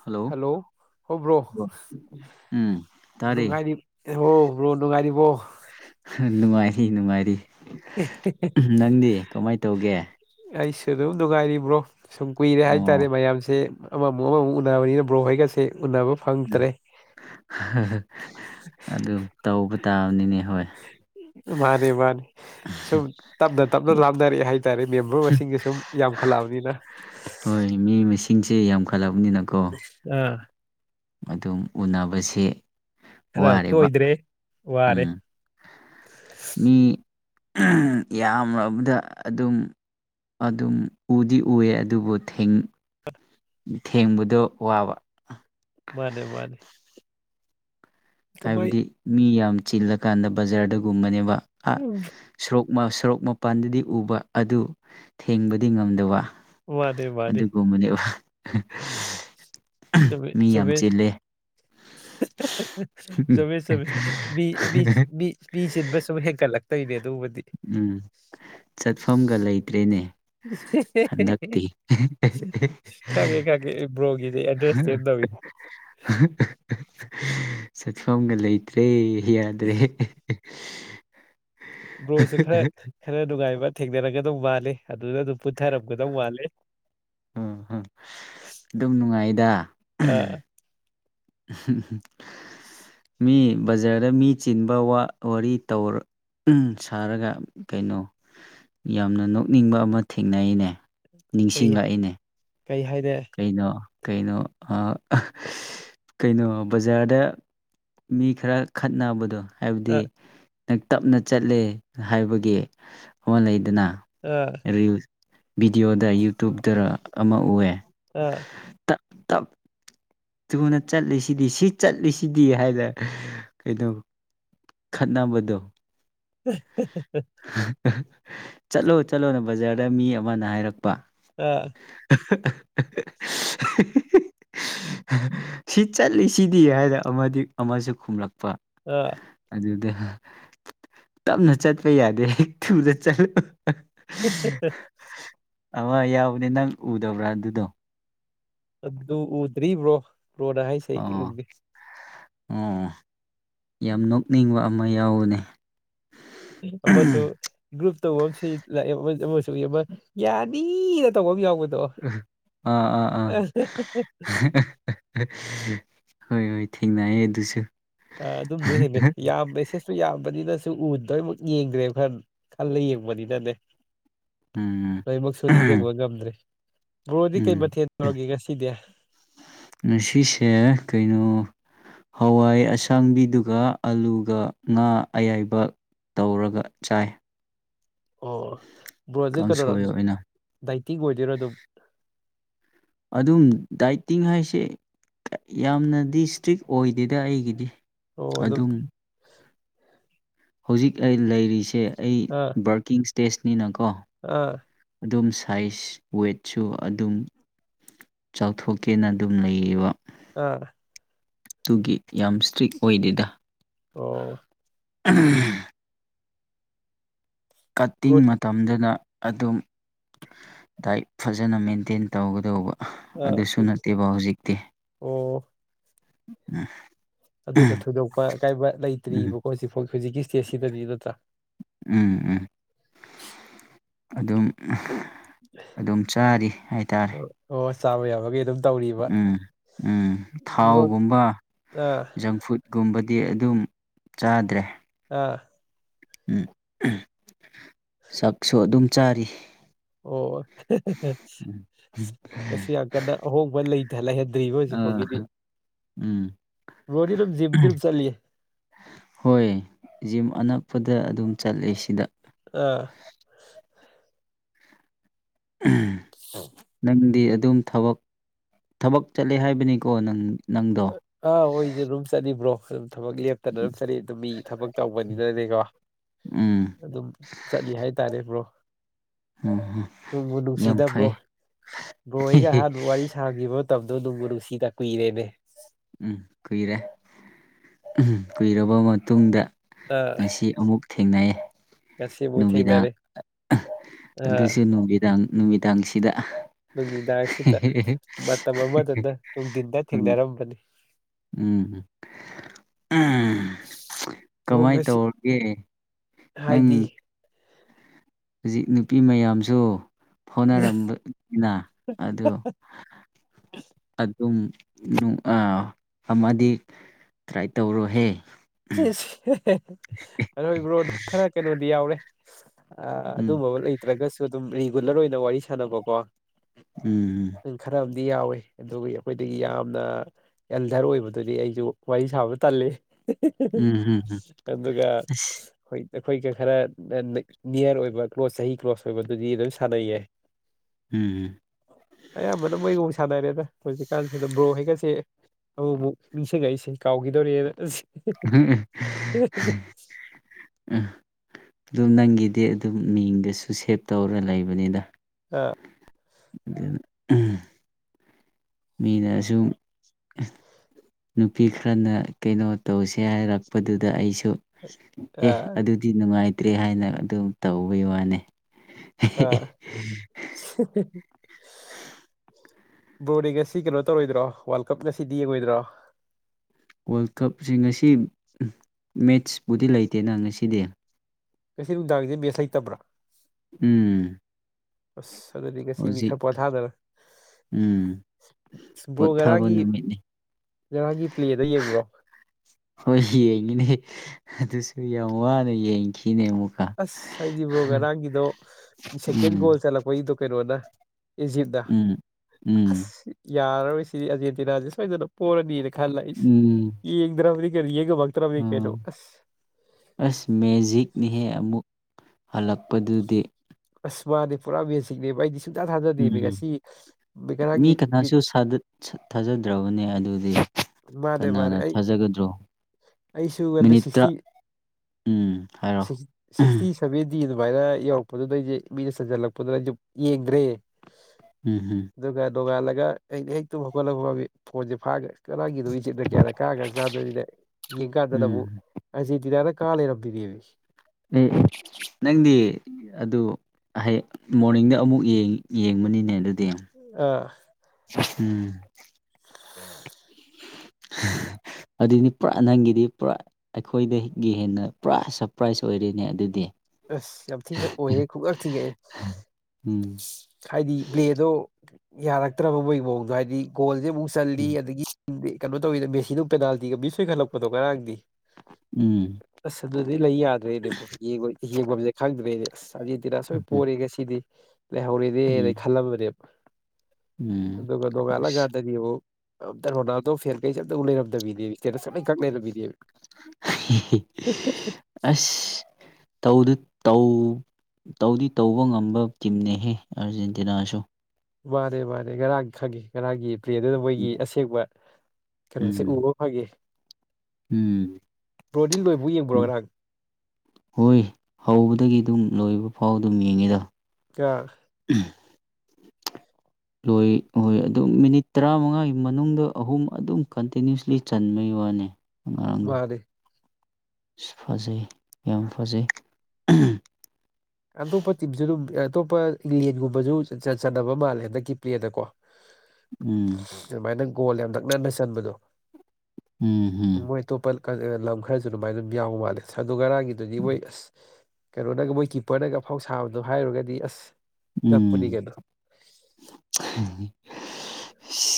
hello hello ꯍꯣ bro hello ꯎꯝ ꯇꯥꯔꯦ ꯅꯨꯡꯉꯥꯏꯔꯤ ꯍꯣ ꯕ꯭ꯔꯣ ꯅꯨꯡꯉꯥꯏꯔꯤꯕ꯭ꯔꯣ ꯅꯨꯡꯉꯥꯏꯔꯤ ꯅꯨꯡꯉꯥꯏꯔꯤ ꯅꯪꯗꯤ ꯀꯃꯥꯏꯅ ꯇꯧꯒꯦ ꯑꯩꯁꯨ ꯑꯗꯨꯝ ꯅꯨꯡꯉꯥꯏꯔꯤꯕ꯭ꯔꯣ ꯁꯨꯝ ꯀꯨꯏꯔꯦ ꯑꯣ ꯍꯥꯏꯇꯥꯔꯦ ꯃꯌꯥꯝꯁꯦ ꯑꯃꯃꯨ ꯑꯃꯃꯛ ꯎꯟꯅꯅꯕꯅꯤꯅ ꯕ꯭ꯔꯣ ꯍꯩꯒꯁꯦ ꯎꯟꯅꯅꯕ ꯎꯝ ꯑꯗꯨꯝ ꯇꯧꯕ ꯇꯥꯕꯅꯤꯅꯦ ꯍꯣꯏ ꯃꯥꯅꯤ ꯃꯥꯅꯤ ꯁꯨꯝ ꯇꯞꯅ ꯇꯞꯅ ꯂꯥꯞꯅꯔꯛꯑꯦ ꯍꯥꯏꯇꯥꯔꯦ ꯃꯦꯝꯕꯔ ꯃꯁꯤꯡ ꯁꯨꯝ ꯌꯥꯝꯈꯠꯂꯛꯑꯕꯅꯤꯅ ꯍꯣꯏ ꯃꯤ ꯃꯁꯤꯡꯁꯦ ꯌꯥꯝꯈꯠꯂꯛꯕꯅꯤꯅꯀꯣ ꯑꯥ ꯑꯗꯨꯝ ꯎꯅꯕꯁꯦ ꯈꯔ ꯋꯥꯔꯤꯕ ꯇꯣꯏꯗ꯭ꯔꯦ ꯋꯥꯔꯦ ꯎꯝ ꯃꯤ ꯌꯥꯝꯂꯕꯗ ꯑꯗꯨꯝ ꯑꯗꯨꯝ ꯎꯗꯤ ꯎꯑ ꯑꯗꯨꯕꯨ ꯊꯦꯡ ꯊꯦꯡꯕꯗꯣ ꯋꯥꯕ ꯃꯥꯅꯦ ꯃꯥꯅꯦ ꯀꯃꯥꯏ ꯍꯥꯏꯕꯗꯤ ꯃꯤ ꯌꯥꯝ ꯆꯤꯜꯂꯀꯥꯟꯗ ꯕꯖꯥꯔꯗꯒꯨꯝꯕꯅꯦꯕ ꯁꯣꯔꯣꯛ ꯃꯄꯥꯟꯗꯗꯤ ꯎꯕ ꯑꯗꯨ ꯊꯦꯡꯕꯗꯤ ꯉꯝꯗꯕ ꯃꯥꯅꯦ ꯃꯥꯅꯦ ꯑꯗꯨꯒꯨꯝꯕꯅꯦꯕ ꯆ ꯃꯤ ꯌꯥꯝ ꯆꯧꯕꯤꯁ ꯆꯤꯜꯂꯦ ꯆꯨꯝꯃꯦ ꯆꯨꯝꯃꯦ ꯃꯤ ꯃꯤ ꯃꯤ ꯆꯤꯟꯕ ꯁꯨꯝ ꯍꯦꯟꯒꯠꯂꯛꯇꯣꯏꯅꯦ ꯑꯗꯨꯨꯝꯕꯗꯤ ꯎꯝ ꯆꯠꯐꯝꯒ ꯂꯩꯇ꯭ꯔꯦꯅꯦ ꯍꯟꯗꯛꯇꯤ ꯈꯒꯦ ꯈꯒꯦ ꯕ꯭ꯔꯣꯒꯤꯁꯦ ꯑꯦꯗ꯭ꯔꯦꯁ ꯆꯦꯟ ꯇꯧꯋ ꯆꯠꯐꯝꯒ ꯂꯩꯇ꯭ꯔꯦ ꯌꯥꯗ꯭ꯔꯦ [unintelligible] [unintelligible] ꯕ꯭ꯔꯣꯁꯨ ꯈꯔ ꯈꯔ ꯅꯨꯡꯉꯥꯏꯕ ꯊꯦꯡꯅꯔꯒꯗꯧ ꯃꯥꯜꯜꯂꯤꯦ ꯑꯗꯨꯅ ꯑꯗꯨꯝ ꯄꯨꯊꯔꯝꯒꯗꯧ ꯃꯥꯂ ꯑꯣ ꯍꯣꯏ ꯑꯗꯨꯝ ꯅꯨꯡꯉꯥꯏꯗ ꯑꯥ ꯎꯝ [unintelligible] ꯃꯤ ꯕꯖꯥꯔꯗ ꯃꯤ ꯆꯤꯟꯕ ꯋꯥꯔꯤ ꯇꯧꯔ ꯁꯥꯔꯒ ꯀꯩꯅꯣ ꯌꯥꯝꯅ ꯅꯣꯛꯅꯤꯡꯕ ꯑꯃ ꯊꯦꯡꯅꯩꯅꯦ ꯍꯣꯏꯌꯦ ꯅꯤꯡꯁꯤꯡꯂꯛꯏꯅꯦ ꯀꯩ ꯍꯥꯏꯔꯦ ꯀꯩꯅꯣ ꯀꯩꯅꯣ ꯀꯩꯅꯣ ꯕꯖꯥꯔꯗ ꯃꯤ ꯈꯔ ꯈꯠꯅꯕꯗꯣ ꯍꯥꯏꯕꯗꯤ ꯑꯥ ꯅꯪ ꯇꯞꯅ ꯆꯠꯂꯦ ꯍꯥꯏꯕꯒꯤ ꯑꯃ ꯂꯩꯗꯅ ꯑꯥ ꯔꯤꯜ ꯚꯤꯗꯤꯑꯣꯗ ꯌꯨꯇꯨꯕꯇ ꯑꯃ ꯎꯑ ꯑꯥ ꯇꯞ ꯊꯨꯅ ꯆꯠꯂꯤꯁꯤꯗꯤ ꯁꯤ ꯆꯠꯂꯤꯁꯤꯗꯤ ꯍꯥꯏꯅ ꯀꯩꯗꯧꯕ ꯈꯠꯅꯕꯗꯣ [unintelligible] ꯆꯠꯂꯣ ꯆꯠꯂꯣꯅ ꯕꯖꯥꯔꯗ ꯃꯤ ꯑꯃꯅ ꯍꯥꯏꯔꯛꯄ ꯑ [unintelligible] ꯁꯤ ꯆꯠꯂꯤꯁꯤꯗꯤ ꯍꯥꯏꯔ ꯑꯃꯗꯤ ꯑꯃꯁꯨ ꯈꯨꯝꯂꯛꯄ ꯑꯥ ꯑꯗꯨꯗꯤ ꯇꯞꯅ ꯆꯠꯄ ꯌꯥꯗꯦ ꯊꯨꯅ ꯆꯠꯂꯨ [unintelligible] ꯑꯃ ꯌꯥꯎꯕꯅꯦ ꯅꯪ ꯎꯗꯕ꯭ꯔ ꯑꯗꯨꯗꯣ ꯑꯗꯨ ꯎꯗ꯭ꯔꯤꯕ꯭ꯔꯣ ꯕ꯭ꯔꯣꯅ ꯍꯥꯏꯁꯦ ꯑꯣ ꯎꯒꯦ ꯑꯣ ꯌꯥꯝ ꯅꯣꯛꯅꯤꯡꯕ ꯑꯃ ꯌꯥꯎꯕꯅꯦ ꯑꯥ ꯕꯁꯨ ꯒ꯭ꯔꯨꯞ ꯇꯧꯕ ꯑꯃ ꯂꯥꯛꯑꯦ ꯑꯃꯁꯨꯏ ꯑꯃ ꯌꯥꯅꯤꯅ ꯇꯧꯕ ꯑꯃ ꯌꯥꯎꯕ ꯑꯥ ꯑꯥ ꯑꯥ ꯍꯣꯏ ꯍꯣꯏ ꯊꯦꯡꯅꯑꯌꯦ ꯑꯗꯨꯁꯨ ꯑꯗꯨꯝꯗꯤ ꯍꯦꯟꯒꯦ ꯌꯥꯝꯕꯁꯦ ꯁꯨ ꯌꯥꯝꯕꯅꯤꯅꯁꯨ ꯎ ꯂꯣꯏꯅꯃꯛ ꯌꯦꯡꯗ꯭ꯔꯦꯕ ꯈꯔ ꯈꯜꯂ ꯌꯦꯡꯕꯅꯤꯅꯅꯦ ꯎꯝ ꯂꯣꯏꯃꯛꯁꯨ ꯅꯤꯡꯁꯤꯡꯕ ꯎꯝ ꯉꯝꯗ꯭ꯔꯦ ꯕ꯭ꯔꯣꯗꯤ ꯀꯩ ꯃꯊꯦꯜꯅꯨꯔꯒꯦ ꯉꯁꯤꯗꯤ ꯉꯁꯤꯁꯦ ꯀꯩꯅꯣ ꯍꯋꯥꯏ ꯑꯁꯥꯡꯕꯤꯗꯨꯒ ꯑꯂꯨꯒ ꯉꯥ ꯑꯌꯥꯏꯕ ꯇꯧꯔꯒ ꯆꯥꯏ ꯑꯣ ꯕ꯭ꯔꯣꯟꯁꯦ ꯀꯩꯅꯣꯔꯣ ꯀꯥꯡꯁꯣꯏ ꯑꯣꯏꯅ ꯗꯥꯏꯇꯤꯡ ꯑꯣꯏꯗꯣꯏꯔꯣ ꯑꯗꯨꯝ ꯑꯗꯨꯝ ꯗꯥꯏꯇꯤꯡ ꯍꯥꯏꯁꯦ ꯌꯥꯝꯅꯗꯤ ꯏꯁꯇ꯭ꯔꯤꯛ ꯑꯣꯏꯗꯦꯗ ꯑꯩꯒꯤꯗꯤ ꯑꯣ ꯑꯗꯨꯝ ꯍꯧꯖꯤꯛ ꯑꯩ ꯂꯩꯔꯤꯁꯦ ꯑꯩ ꯑꯥ ꯕꫪꯀꯤꯡ ꯏꯁ꯭ꯇꯦꯁꯅꯤꯅꯀꯣ ꯑꯥ ꯑꯗꯨꯝ ꯁꯥꯏꯖ ꯋꯦꯠꯁꯨ ꯑꯗꯨꯝ ꯆꯥꯎꯊꯣꯛꯀꯦꯅ ꯑꯗꯨꯝ ꯂꯩꯔꯤꯕ ꯑꯥ ꯇꯨꯒꯤ ꯌꯥꯝ ꯏꯁꯇ꯭ꯔꯤꯛ ꯑꯣꯏꯗꯦꯗ ꯑꯣ [unintelligible] ꯒꯨꯠ ꯀꯇꯤꯡꯃꯠ ꯇꯝꯗꯅ ꯑꯗꯨꯝ ꯗꯥꯏꯠ ꯐꯖꯅ ꯃꯦꯟꯇꯦꯟ ꯇꯧꯒꯗꯧꯕ ꯑꯥ ꯑꯗꯨꯁꯨ ꯅꯠꯇꯦꯕ ꯍꯧꯖꯤꯛꯇꯤ ꯑꯣ [unintelligible] ꯑꯗꯨꯅ ꯊꯣꯏꯗꯣꯛꯄ ꯑꯀꯥꯏꯕ ꯎꯝ ꯂꯩꯇ꯭ꯔꯤꯕꯀꯣ ꯍꯧꯖꯤꯛꯐꯥꯎ ꯍꯧꯖꯤꯛꯀꯤ ꯏꯁ꯭ꯇꯦꯠꯁꯤꯗꯗꯤ ꯅꯠꯇ꯭ꯔ ꯎꯝ ꯎꯝ ꯑꯗꯨꯝ ꯑꯗꯨꯝ ꯆꯥꯔꯤ ꯍꯥꯏꯇꯥꯔꯦ ꯑꯣ ꯆꯥꯕ ꯌꯥꯕꯒꯩ ꯑꯗꯨꯝ ꯇꯧꯔꯤꯕ ꯎꯝ ꯎꯝ ꯔꯣꯠ ꯊꯥꯎꯒꯨꯝꯕ ꯑꯥ ꯖꯪꯐꯨꯠ ꯒꯨꯝꯕꯗꯤ ꯑꯗꯨꯝ ꯆꯥꯗ꯭ꯔꯦ ꯑꯥ [unintelligible] ꯆꯥꯛꯁꯨ ꯑꯗꯨꯝ ꯆꯥꯔꯤ ꯑꯣ [unintelligible] ꯀꯁꯨ ꯌꯥꯝ ꯀꯟꯅ ꯑꯍꯣꯡꯕ ꯂꯩ ꯊ ꯂꯩꯍꯟꯗ꯭ꯔꯤꯕ ꯑꯥ ꯍꯧꯖꯤꯛꯐꯥꯎꯒꯤꯗꯤ ꯎꯝ ꯕ꯭ꯔꯣꯗꯤ ꯗꯨꯝ ꯖꯤꯝ ꯗꯨꯝ ꯆꯠꯂꯤ ꯍꯣꯏ ꯖꯤꯝ ꯑꯅꯛꯄꯗ ꯑꯗꯨꯝ ꯆꯠꯂꯦ ꯁꯤꯗ ꯑꯥ [unintelligible] [unintelligible] ꯅꯪꯗꯤ ꯑꯗꯨꯝ ꯊꯕꯛ ꯊꯕꯛ ꯆꯠꯂꯦ ꯍꯥꯏꯕꯅꯤꯀꯣ ꯅꯪ ꯅꯪꯗꯣ ꯑꯥ ꯍꯧꯖꯤꯛ ꯑꯗꯨꯨꯝ ꯆꯠꯂꯤꯕ꯭ꯔꯣ ꯑꯗꯨꯝ ꯊꯕꯛ ꯂꯦꯞ [unintelligible] ꯃꯤ ꯊꯕꯛ ꯇꯧꯕꯅꯤꯅꯅꯦꯀꯣ ꯎꯝ ꯑꯗꯨꯝ ꯆꯠꯂꯤ ꯍꯥꯏꯇꯥꯔꯦ ꯭ꯕꯔꯣ ꯎꯝ ꯅꯨꯡꯕꯨ ꯌꯥꯝ ꯅꯨꯡꯁꯤꯗ ꯐꯩ ꯕ꯭ꯔꯣ ꯕ꯭ꯔꯣ ꯍꯣꯏꯒ ꯑꯍꯥꯟꯕꯨ ꯋꯥꯔꯤ ꯁꯥꯈꯤꯕ ꯃꯇꯝꯗꯣ ꯅꯨꯡꯕꯨ ꯅꯨꯡꯁꯤꯗ ꯀꯨꯏꯔꯦꯅꯦ ꯎꯝ ꯀꯨꯏꯔꯦ ꯀꯨꯏꯔꯕ ꯃꯇꯨꯡꯗ ꯑꯥ ꯉꯁꯤ ꯑꯃꯨꯛ ꯊꯦꯡꯅꯩꯌꯦ ꯉꯁꯤꯃꯨꯛ ꯅꯨꯃꯤꯗꯥꯡ ꯊꯦꯡꯅꯔꯦ ꯑꯥ ꯑꯗꯨꯁꯨ ꯅꯨꯃꯤꯗꯥꯡ ꯅꯨꯃꯤꯗꯥꯡꯁꯤꯗ ꯅꯨꯡꯊꯗꯥꯂꯛꯁꯤꯗ ꯃꯇꯝ ꯑꯃꯗꯅ ꯅꯨꯡꯊꯤꯟꯗ ꯎꯝ ꯊꯦꯡꯅꯔꯝꯕꯅꯤ ꯎꯝ [unintelligible] ꯕ꯭ꯔꯣ ꯀꯃꯥꯏ ꯉꯁꯤ ꯇꯧꯔꯒꯦ ꯅꯪ ꯍꯥꯏꯗꯤ ꯍꯧꯖꯤꯛ ꯅꯨꯄꯤ ꯃꯌꯥꯝꯁꯨ ꯐꯥꯎꯅꯔꯝꯕꯅꯤꯅ ꯑꯗꯨ ꯑꯗꯨꯝ ꯅꯨꯡ ꯑ ꯑꯃꯗꯤ ꯇ꯭ꯔꯥꯏ ꯇꯧꯔꯣꯍꯦ [unintelligible] ꯕ꯭ꯔꯣꯅ ꯈꯔ ꯀꯩꯅꯣꯗꯤ ꯌꯥꯎꯔꯦ ꯑ ꯎꯝ ꯑꯗꯨꯝꯕꯃ ꯂꯩꯇ꯭ꯔꯒꯁꯨ ꯑꯗꯨꯝ ꯔꯤꯒꯨꯂꫪ ꯑꯣꯏꯅ ꯋꯥꯔꯤ ꯁꯥꯟꯅꯕꯀꯣ ꯎꯝ ꯎꯝ ꯈꯔ ꯑꯃꯗꯤ ꯌꯥꯎꯋꯦ ꯑꯗꯨꯒ ꯑꯩꯈꯣꯏꯗꯒꯤ ꯌꯥꯝꯅ ꯑꯦꯜꯗꯔ ꯑꯣꯏꯕꯗꯨꯗꯤ ꯑꯩꯁꯨ ꯋꯥꯔꯤ ꯁꯥꯕ ꯇꯜꯂꯤ ꯎꯝ ꯎꯝ ꯎꯝ ꯑꯗꯨꯒ ꯑꯁ ꯑꯩꯈꯣꯏꯒ ꯈꯔ ꯅꯤꯌꯔ ꯑꯣꯏꯕ ꯀ꯭ꯂꯣꯁ ꯆꯍꯤ ꯀ꯭ꯂꯣꯁ ꯑꯣꯏꯕꯗꯨꯗꯤ ꯑꯗꯨꯝ ꯁꯥꯟꯅꯩꯌꯦ [inaudible] ꯎꯝ ꯑꯌꯥꯝꯕꯅ ꯃꯣꯏꯒ ꯑꯣꯏꯅ ꯁꯥꯟꯅꯔꯦꯗ ꯍꯧꯖꯤꯛꯀꯥꯟꯁꯤꯗ ꯕ꯭ꯔꯣ ꯍꯣꯏꯒꯁꯦ ꯑꯃꯨꯛ ꯑꯃꯨꯛ ꯅꯤꯡꯁꯤꯡꯂꯛꯏꯁꯦ ꯀꯥꯎꯈꯤꯗꯧꯔꯦꯅ [unintelligible] [unintelligible] [unintelligible] ꯑꯗꯨꯝ ꯅꯪꯒꯤꯗꯤ ꯑꯗꯨꯝ ꯃꯤꯡꯗꯁꯨ ꯁꯦꯞ ꯇꯧꯔ ꯂꯩꯕꯅꯤꯗ ꯑꯥ ꯑꯗꯨꯅ ꯃꯤꯅꯁꯨ ꯅꯨꯄꯤ ꯈꯔꯅ ꯀꯩꯅꯣ ꯇꯧꯁꯦ ꯍꯥꯏꯔꯛꯄꯗꯨꯗ ꯑꯩꯁꯨ ꯑꯦ ꯑꯥ ꯑꯗꯨꯗꯤ ꯅꯨꯡꯉꯥꯏꯇ꯭ꯔꯦ ꯍꯥꯏꯅ ꯑꯗꯨꯝ ꯇꯧꯕꯩ ꯋꯥꯅꯤ ꯑ ꯕ꯭ꯔꯣꯗꯤ ꯉꯁꯤ ꯀꯩꯅꯣ ꯇꯧꯔꯣꯏꯗ꯭ꯔꯣ ꯋꯥꯔꯜ ꯀꯞ ꯉꯁꯤꯗꯤ ꯌꯦꯡꯉꯣꯏꯗ꯭ꯔꯣ ꯋꯥꯔꯜ ꯀꯞꯁꯦ ꯉꯁꯤ ꯃꯦꯠꯆꯄꯨꯗꯤ ꯂꯩꯇꯦꯅ ꯉꯁꯤꯗꯤ ꯉꯁꯤ ꯅꯨꯡꯗꯥꯡꯁꯦ ꯃꯦꯠꯁ ꯂꯩꯇꯕ꯭ꯔꯥ ꯎꯝ ꯑꯁ ꯑꯗꯨꯗꯤ ꯉꯁꯤꯗꯤ ꯍꯧꯖꯤꯛ ꯈꯔ ꯄꯣꯊꯥꯗꯅ ꯎꯝ ꯕ꯭ꯔꯣ ꯄꯣꯊꯥꯕ ꯉꯔꯥꯡꯒꯤ ꯅꯨꯃꯤꯠꯅꯤ ꯉꯔꯥꯡꯒꯤ ꯄ꯭ꯂꯦꯗ ꯌꯦꯡꯕꯔꯣ ꯍꯣꯏ ꯌꯦꯡꯉꯤꯅꯦ ꯑꯗꯨꯁꯨ ꯌꯥꯝ ꯋꯥꯅ ꯌꯦꯡꯈꯤꯅꯦ ꯑꯃꯨꯛ ꯑꯁ ꯑꯩꯗꯤ ꯕ꯭ꯔꯣ ꯉꯔꯥꯡꯒꯤꯗꯣ ꯁꯦꯀꯦꯟ ꯎꯝ ꯒꯣꯜ ꯆꯠꯂꯛꯄꯩꯗꯣ ꯀꯩꯅꯣꯅ ꯏꯖꯤꯞꯅ ꯎꯝ ꯎꯝ ꯑꯁ ꯌꯥꯔꯔꯣꯏꯁꯤꯅꯤ ꯑꯥꯔꯖꯦꯟꯇꯤꯅꯥꯁꯦ ꯁꯣꯏꯗꯅ ꯄꯣꯔꯅꯤꯅ ꯈꯜꯂꯦ ꯏꯁ ꯌꯦꯡꯗꯔꯕꯅꯤ ꯀꯩꯅꯣ ꯌꯦꯡ ꯉꯝꯃꯛ ꯑꯝ ꯑꯁ ꯃꯦꯖꯤꯛꯅꯤꯍꯦ ꯑꯃꯨꯛ ꯍꯜꯂꯛꯄꯗꯨꯗꯤ ꯑꯁ ꯃꯥꯅꯦ ꯄꯨꯔꯥ ꯃꯦꯖꯤꯛꯅꯦꯕ ꯑꯩꯗꯤ ꯁꯨꯡꯊꯥ ꯊꯥꯖꯗꯦꯕ ꯎꯝ ꯉꯁꯤ ꯉꯔꯥꯡꯒꯤ ꯃꯤ ꯀꯅꯥꯁꯨ ꯁꯥꯗꯠ ꯊꯥꯖꯗ꯭ꯔꯕꯅꯦ ꯑꯗꯨꯗꯤ ꯃꯥꯅꯦ ꯃꯥꯅꯦ ꯀꯅꯥꯅ ꯑꯩ ꯊꯥꯖꯒꯗ꯭ꯔꯣ ꯑꯩꯁꯨ ꯉꯟꯅ ꯁꯤꯛꯁꯇꯤ ꯃꯤꯅꯤꯠꯇ ꯎꯝ ꯍꯥꯏꯔꯣ ꯁꯤꯛꯁ ꯎꯝ ꯁꯤꯛꯁꯇꯤ ꯁꯕꯦꯟꯗꯤ ꯑꯗꯨꯃꯥꯏꯅ ꯌꯧꯔꯛꯄꯗꯨꯗ ꯑꯩꯁꯦ ꯃꯤꯅ ꯁꯟꯖꯜꯂꯛꯄꯗꯨꯅ ꯑꯩꯁꯦ ꯌꯦꯡꯗ꯭ꯔꯦ ꯎꯝ ꯍꯝ ꯑꯗꯨꯒ ꯅꯣꯉꯥꯜꯂꯒ ꯑꯩꯅ ꯍꯦꯛ ꯇꯨꯝ ꯍꯧꯒꯠꯂꯒ ꯐꯣꯟꯁꯦ ꯐꯥꯛꯒ꯭ꯔꯦ ꯉꯥꯔꯥꯡꯒꯤꯗꯣ ꯋꯤꯆꯠ ꯃꯦꯗꯤꯌꯥꯗ ꯀꯥꯒꯔꯥꯀꯥꯟꯗꯅꯦ ꯌꯦꯡ ꯎꯝ ꯀꯥꯟꯗꯃꯨꯛ ꯑ꯭ꯔꯖꯦꯟꯇꯤꯅꯅ ꯀꯥ ꯂꯩꯔꯝꯕꯤꯅꯦꯃꯦ ꯗꯤ ꯅꯪꯗꯤ ꯑꯗꯨ ꯍꯌꯦ ꯃꯣꯔꯅꯤꯡꯗ ꯑꯃꯨꯛ ꯌꯦꯡꯕꯅꯤꯅꯦ ꯑꯗꯨꯗꯤ ꯑꯥ ꯎꯝ [inaudible] ꯑꯗꯨꯗꯤ ꯄꯨꯔꯥ ꯅꯪꯒꯤꯗꯤ ꯄꯨꯔꯥ ꯑꯩꯈꯣꯏꯗꯒꯤ ꯍꯦꯟꯅ ꯄꯨꯔꯥ ꯁꯔꯄ꯭ꯔꯥꯏꯖ ꯑꯣꯏꯔꯤꯅꯦ ꯑꯗꯨꯗꯤ ꯑꯁ ꯌꯥꯝ ꯊꯤ ꯑꯣꯍꯦ ꯈꯨꯉꯛ ꯊꯤ ꯉꯛ ꯑꯦ ꯎꯝ ꯍꯥꯏꯗꯤ ꯄ꯭ꯂꯦꯗꯣ ꯌꯥꯔꯛꯇ꯭ꯔꯕ ꯃꯣꯏ ꯃꯑꯣꯡꯗꯣ ꯍꯥꯏꯗꯤ ꯒꯣꯜꯁꯦ ꯑꯃꯨꯛ ꯆꯜꯂꯤ ꯎꯝ ꯑꯗꯒꯤ ꯀꯩꯅꯣ ꯇꯧꯋꯤꯗ ꯃꯦꯁꯤꯗꯨ ꯄꯦꯅꯥꯜꯇꯤꯒ ꯃꯤꯁ ꯑꯣꯢꯈꯜꯂꯛꯄꯗꯣ ꯉꯔꯥꯡꯗꯤ ꯎꯝ ꯑꯁ ꯑꯗꯨꯗꯤ ꯂꯩ ꯌꯥꯗ꯭ꯔꯦꯅꯦꯕꯣ ꯌꯦꯡꯐꯝꯁꯦ ꯈꯪꯗ꯭ꯔꯦꯅꯦ ꯑꯁ ꯑꯔꯖꯤꯟ ꯁꯤꯅ ꯑꯁꯣꯏ ꯎꯝ ꯄꯣꯔꯤꯒ ꯁꯤꯗꯤ ꯂꯩꯍꯧꯔꯦꯅꯦꯅ ꯎꯝ ꯑꯩ ꯈꯜꯂꯝꯕꯅꯦꯕ ꯎꯝ ꯑꯗꯨꯒ ꯅꯣꯡꯉꯥꯜꯂ ꯑꯁ ꯒꯥꯟꯗꯗꯤ ꯑꯃꯨꯝ ꯑꯥꯞꯇ꯭ꯔ ꯔꯣꯅꯥꯟꯗꯣ ꯐꯦꯜ ꯀꯩꯁꯤ ꯂꯩꯔꯝꯗꯕꯤꯅꯦꯃꯦ ꯢꯁꯇꯦꯇꯥꯁ ꯀꯥꯛ ꯂꯩꯔꯝꯕꯤꯅꯦꯃꯦ ꯑꯁ ꯇꯧꯗꯨ ꯇꯧ ꯇꯧꯗꯤ ꯇꯧꯕ ꯉꯝꯕ ꯇꯤꯝꯅꯦꯍꯦ ꯑꯥꯔꯖꯦꯟꯇꯤꯅꯥꯁꯨ ꯃꯥꯅꯦ ꯃꯤꯅꯦ ꯉꯥꯔꯥꯡ ꯈꯪꯉꯦ ꯄ꯭ꯔꯦꯗꯨꯗ ꯃꯣꯏꯒꯤ ꯑꯁꯦꯡꯕ ꯀꯩꯅꯣꯁꯦ ꯎꯕ ꯐꯪꯉꯦ ꯎꯝꯝ ꯕ꯭ꯔꯣꯗꯤ ꯂꯣꯏꯕꯧ ꯌꯦꯡꯕ꯭ꯔꯣ ꯉꯔꯥꯡ ꯍꯣꯏ ꯍꯧꯕꯗꯒꯤ ꯑꯗꯨꯝ ꯂꯣꯏꯕ ꯐꯥꯎ ꯑꯗꯨꯝ ꯌꯦꯡꯉꯤꯗ ꯀꯥ ꯎꯝ [inaudible] ꯂꯣꯏ ꯍꯣꯏ ꯑꯗꯨꯝ ꯃꯤꯅꯤꯠ ꯇꯔꯥꯃꯉꯥꯒꯤ ꯃꯅꯨꯡꯗ ꯑꯍꯨꯝ ꯑꯗꯨꯝ ꯀꯟꯇꯤꯅꯨꯁꯂꯤ ꯆꯟꯕꯩ ꯋꯥꯅꯤ ꯉꯔꯥꯡꯗꯣ ꯃꯥꯅꯦ ꯐꯖꯩ ꯌꯥꯝ ꯐꯖꯩ ꯑꯇꯣꯞꯄ ꯇꯤꯝꯁꯨ ꯑꯗꯨꯝ ꯑꯇꯣꯞꯄ ꯏꯪꯂꯦꯟꯒꯨꯝꯕꯁꯨ ꯆꯥꯟꯅꯕ ꯃꯥꯜꯂꯦ ꯍꯟꯗꯛꯀꯤ ꯄ꯭ꯂꯦꯗꯀꯣ [inaudible] ꯎꯝ ꯑꯗꯨꯃꯥꯏꯅ ꯒꯣꯜ ꯌꯥꯝ ꯅꯛꯅꯅ ꯆꯥꯟꯕꯗꯣ ꯎꯝ ꯍꯝ ꯑꯇꯣꯞꯄ ꯂꯝ ꯈꯔꯁꯨ ꯑꯗꯨꯃꯥꯏꯅ ꯑꯗꯨꯝ ꯌꯥꯎ ꯃꯥꯜꯂꯦ ꯑꯗꯣ ꯉꯔꯥꯡꯒꯤꯗꯨꯗꯤ ꯃꯣꯏ ꯑꯁ ꯀꯩꯅꯣꯅꯒ ꯃꯣꯏ ꯀꯤꯕ꯭ꯔꯗꯨꯅꯒ ꯑꯐꯧ ꯁꯥꯕꯗꯣ ꯍꯥꯏꯔꯨꯔꯒꯗꯤ ꯑꯁ ꯎꯝ ꯉꯛꯄꯅꯤ ꯀꯩꯅꯣ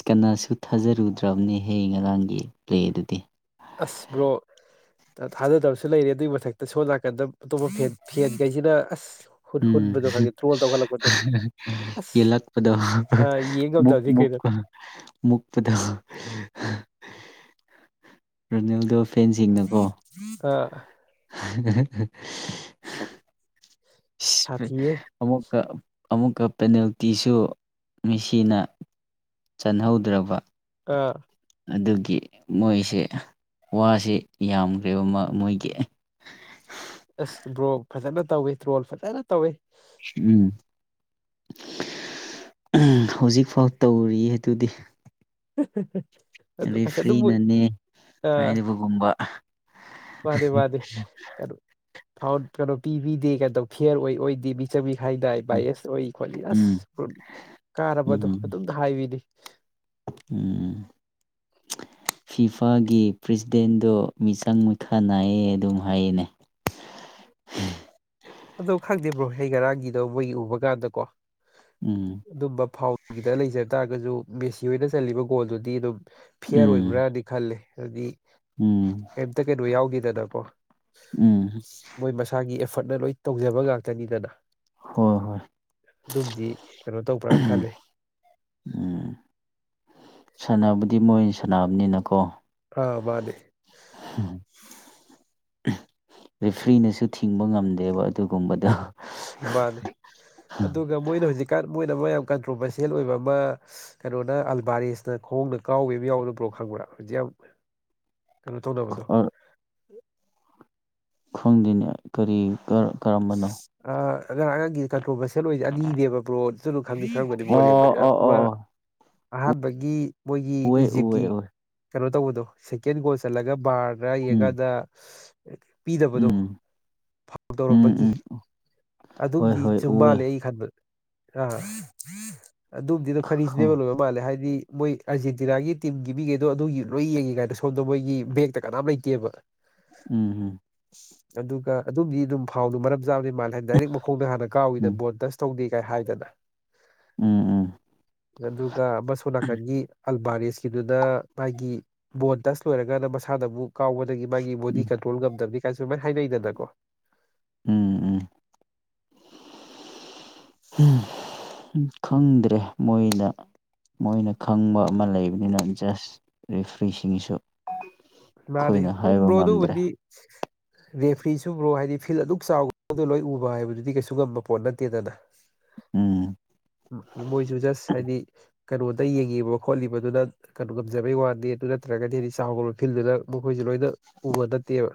ꯀꯅꯥꯁꯨ ꯊꯥꯖꯔꯨꯗ꯭ꯔꯕꯅꯦꯍꯌꯦ ꯉꯔꯥꯡꯒꯤ ꯄ꯭ꯂꯦ ꯗꯨꯗꯤ ꯑꯁ ꯕ꯭ꯔꯣ ꯊꯥꯖꯗꯕꯁꯨ ꯂꯩꯔꯦ ꯑꯗꯨꯒꯤ ꯃꯊꯛꯇ ꯁꯣꯝ ꯅꯥꯀꯥꯟꯗ ꯑꯇꯣꯞꯄ ꯐꯦꯟ ꯐꯦꯟꯈꯩꯁꯤꯅ ꯑꯁ ꯍꯨꯟ ꯎꯝ ꯍꯨꯟꯕꯗꯣ ꯈꯪꯗꯦ ꯇ꯭ꯔꯣꯜ ꯇꯧꯈꯠꯂꯛꯄꯗꯣ ꯑꯁ ꯌꯦꯟꯂꯛꯄꯗ ꯑ ꯌꯦꯡ ꯃꯨꯛ ꯉꯝꯗꯕꯅꯤ ꯃꯨꯛ ꯀꯩꯅꯣ ꯃꯨꯛꯄꯗ ꯔꯣꯅꯥꯟꯗꯣꯁꯨ ꯐꯦꯟꯁꯤꯡꯅꯀꯣ ꯑꯥ [inaudible] ꯁꯥꯊꯤꯌꯦ ꯑꯃꯨꯛꯀ ꯑꯃꯨꯛꯀ ꯄꯦꯅꯥꯜꯇꯤꯁꯨ ꯃꯦꯁꯤꯅ ꯆꯥꯟꯍꯧꯗ꯭ꯔꯕ ꯑꯥ ꯑꯗꯨꯒꯤ ꯃꯣꯏꯁꯦ ꯋꯥꯁꯤ ꯌꯥꯝꯈ꯭ꯔꯦꯕ ꯃꯣꯏꯒꯤ ꯑꯁ ꯕ꯭ꯔꯣ ꯐꯖꯅ ꯇꯧꯏ ꯇ꯭ꯔꯣꯜ ꯐꯖꯅ ꯇꯧꯏ ꯎꯝ ꯍꯧꯖꯤꯛ ꯐꯥꯎ ꯇꯧꯔꯤ ꯑꯗꯨꯗꯤ [inaudible] ꯑꯗꯨ ꯔꯦ ꯀꯁ ꯑꯗꯨꯕꯨ ꯐ꯭ꯔꯤꯅꯅꯦ ꯍꯥꯏꯔꯤꯕꯒꯨꯝꯕ ꯃꯅꯦ ꯃꯥꯗꯦ ꯀꯩꯅꯣ ꯐꯥꯎ ꯀꯩꯅꯣ ꯄꯤꯕꯤꯗꯦ ꯀꯩꯇꯧ ꯐꯤꯌꯔ ꯑꯣꯏ ꯑꯣꯏꯗꯦ ꯃꯤ ꯆꯪꯕꯤ ꯈꯥꯏꯗꯏ ꯕꯥꯥꯏꯁ ꯑꯣꯏ ꯈꯣꯠꯂꯤ ꯑꯁ ꯎꯝ ꯀꯥꯔꯕꯗꯣ ꯎꯝ ꯑꯗꯨꯝ ꯍꯥꯏꯕꯤꯅꯤ ꯎꯝ ꯐꯤꯐꯥꯒꯤ ꯄ꯭ꯔꯁꯤꯗꯦꯟꯗꯣ ꯃꯤꯆꯪ ꯃꯤꯈꯥ ꯅꯥꯏꯌꯦ ꯑꯗꯨꯝ ꯍꯥꯏꯌꯦꯅꯦ ꯑꯗꯣ ꯈꯪꯗꯦꯕ꯭ꯔꯣ ꯑꯩ ꯉꯔꯥꯡꯒꯤꯗꯣ ꯃꯣꯏꯒꯤ ꯎꯕ ꯀꯥꯟꯗ ꯀꯣ ꯎꯝ ꯑꯗꯨꯝꯕ ꯐꯥꯎꯟꯒꯤꯗ ꯂꯩꯖꯕ ꯇꯥꯔꯒꯁꯨ ꯃꯦꯁꯤ ꯍꯣꯏꯅ ꯆꯜꯂꯤꯕ ꯒꯣꯜꯗꯨꯗꯤ ꯑꯗꯨꯝ ꯐꯤꯌꯔ ꯎꯝ ꯑꯣꯏꯕ꯭ꯔꯥꯗꯤ ꯈꯜꯂꯦ ꯑꯗꯨꯗꯤ ꯎꯝ ꯀꯩꯝꯇ ꯀꯩꯅꯣ ꯌꯥꯎꯗꯦꯗꯅꯒꯣ ꯎꯝ ꯏꯁꯥꯒꯤ ꯑꯦꯐꯔꯠꯅ ꯂꯣꯏ ꯇꯧꯖꯕ ꯉꯥꯛꯇꯅꯤꯗꯅ ꯍꯣꯏ ꯍꯣꯏ ꯑꯗꯨꯝꯗꯤ ꯀꯩꯅꯣ ꯇꯧꯕ꯭ꯔꯅ ꯈꯂꯦ ꯎꯝ ꯁꯥꯟꯅꯕꯗꯤ ꯃꯣꯏ ꯁꯥꯟꯅꯕꯅꯤꯅꯀꯣ ꯑꯥꯕꯅꯦ [inaudible] ꯔꯤꯐ꯭ꯔꯤꯅꯁꯨ ꯊꯤꯡꯕ ꯉꯝꯗꯦꯕ ꯑꯗꯨꯒꯨꯝꯕꯗꯣ ꯃꯥꯅꯦ ꯑꯗꯨꯒ ꯃꯣꯏꯅ ꯍꯧꯖꯤꯛꯀꯥꯟ ꯃꯣꯏꯅ ꯑꯃ ꯌꯥꯝ ꯀꯟꯇ꯭ꯔꯣꯚꯔꯁꯤꯜ ꯑꯣꯏꯕ ꯑꯃ ꯀꯩꯅꯣꯅ ꯑꯜꯕꯥꯔꯤꯁꯅ ꯈꯣꯡꯅ ꯀꯥꯎꯈꯤꯕ ꯌꯥꯎꯅꯕ꯭ꯔꯣ ꯈꯪꯕ꯭ꯔꯥ ꯍꯧꯖꯤꯛ ꯌꯥꯝ ꯀꯩꯅꯣ ꯇꯧꯅꯕꯗꯣ ꯈꯪꯗꯅꯦ ꯀꯔꯤ ꯀꯔꯝꯕꯅꯣ ꯑꯉꯥꯡ ꯑꯉꯥꯡꯒꯤ ꯀꯟꯇ꯭ꯔꯣꯚꯔꯁꯤꯜ ꯑꯣꯏꯁꯦ ꯑꯅꯤꯅꯦꯕ ꯕ꯭ꯔꯣꯠ ꯆꯅꯨ ꯈꯪꯗꯦ ꯈꯪꯕꯅꯤ ꯃꯣꯠ ꯑꯣ ꯌꯦꯡꯕꯅꯤ ꯑꯣ ꯃꯥ ꯑꯣ ꯑꯣ ꯑꯍꯥꯟꯕꯒꯤ ꯃꯣꯏꯒꯤ ꯎꯋꯦ ꯎꯋꯦ ꯏꯖꯤꯞꯀꯤ ꯎꯋꯦ ꯀꯩꯅꯣ ꯇꯧꯕꯗꯣ ꯁꯦꯀꯦꯟ ꯒꯣꯜ ꯆꯠꯂꯒ ꯕꯥꯔꯗ ꯎꯝ ꯌꯦꯡꯀꯥꯟꯗ ꯄꯤꯗꯕꯗꯣ ꯎꯝ ꯎꯝ ꯇꯧꯔꯝꯕꯒꯤ ꯎꯝ ꯍꯣꯏ ꯑꯗꯨꯝꯗꯤ ꯍꯣꯏ ꯆꯨꯝ ꯎꯋꯦ ꯃꯥꯜꯂꯦ ꯑꯩ ꯈꯟꯕꯗ ꯑ ꯑꯗꯨꯝꯗꯤꯅ ꯈꯔꯤꯁꯤꯅꯦꯕ ꯈꯪ ꯂꯣꯏꯕ ꯃꯥꯜꯂꯦ ꯍꯥꯏꯗꯤ ꯃꯣꯏ ꯑꯥꯔꯖꯦꯟꯇꯤꯅꯥꯒꯤ ꯇꯤꯝꯒꯤ ꯃꯤꯈꯩꯗꯣ ꯑꯗꯨꯒꯤ ꯂꯣꯏ ꯌꯦꯡꯉꯦ ꯀꯥꯏꯅ ꯁꯣꯝꯗ ꯃꯣꯏꯒꯤ ꯕꯦꯒꯛꯇ ꯀꯅꯥꯝ ꯂꯩꯇꯦꯕ ꯎꯝ ꯎꯝ ꯑꯗꯨꯒ ꯑꯗꯨꯝꯗꯤ ꯑꯗꯨꯝ ꯐꯥꯎꯗꯨ ꯃꯔꯝ ꯆꯥꯕꯅꯤ ꯃꯥꯜꯂꯦ ꯍꯥꯏ ꯗꯥꯏꯔꯦꯛ ꯃꯈꯣꯡꯗ ꯍꯥꯟꯅ ꯎꯝ ꯀꯥꯎꯋꯤꯗꯅ ꯎꯝ ꯕꯣꯜ ꯗꯁ ꯇꯧꯗꯦ ꯀꯥꯏ ꯍꯥꯏꯗꯅ ꯎꯝ ꯎꯝ ꯑꯗꯨꯒ ꯃꯁꯣ ꯅꯥꯀꯟꯒꯤ ꯑꯜꯕꯥꯔꯤꯁꯀꯤꯗꯨꯅ ꯃꯥꯒꯤ ꯕꯣꯟ ꯇꯁ ꯂꯣꯏꯔꯒꯅ ꯃꯁꯥꯗ ꯑꯃꯨꯛ ꯀꯥꯎꯕꯗꯒꯤ ꯃꯥꯒꯤ ꯕꯣꯗꯤ ꯎꯝ ꯀꯟꯇ꯭ꯔꯣꯜ ꯉꯝꯗꯕꯅꯤ ꯀꯥꯏꯁꯨ ꯁꯃꯥꯏꯅ ꯍꯥꯏꯅꯩꯗꯅꯀꯣ ꯎꯝ ꯎꯝ [inaudible] ꯈꯪꯗ꯭ꯔꯦ ꯃꯣꯏꯅ ꯃꯣꯏꯅ ꯈꯪꯕ ꯑꯃ ꯂꯩꯕꯅꯤꯅ ꯖꯁ ꯔꯤꯐ꯭ꯔꯤꯁꯤꯡꯁꯨ ꯃꯥꯅꯦ ꯑꯩꯈꯣꯏꯅ ꯍꯥꯏꯕ ꯉꯝꯗ꯭ꯔꯦ [inaudible] ꯔꯦꯐ꯭ꯔꯤ ꯁꯨꯕ꯭ꯔꯣ ꯍꯥꯏꯗꯤ ꯐꯤꯜ ꯑꯗꯨꯛ ꯆꯥꯎ ꯂꯣꯏ ꯎꯕ ꯍꯥꯏꯕꯗꯨꯗꯤ ꯀꯩꯁꯨ ꯉꯝꯕ ꯄꯣꯠ ꯅꯠꯇꯦꯗꯅ [inaudible] ꯎꯝ ꯃꯣꯏꯁꯨ ꯖꯁ ꯍꯥꯏꯗꯤ ꯀꯩꯅꯣꯗ ꯌꯦꯡꯉꯤꯕ ꯈꯣꯠꯂꯤꯕꯗꯨꯅ ꯀꯩꯅꯣ ꯉꯝꯖꯕꯩ ꯋꯥꯅꯤ ꯑꯗꯨ ꯅꯠꯇ꯭ꯔꯒꯗꯤ ꯍꯥꯏꯗꯤ ꯆꯥꯛ ꯐꯤꯜꯗꯨꯗ ꯃꯈꯣꯏꯁꯨꯦ ꯂꯣꯏꯅ ꯎꯕ ꯅꯠꯇꯦꯕ